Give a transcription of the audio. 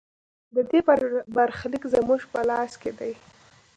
د دې برخلیک زموږ په لاس کې دی؟